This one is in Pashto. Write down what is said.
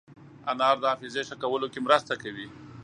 انار د حافظې ښه کولو کې مرسته کوي.